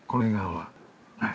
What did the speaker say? はい。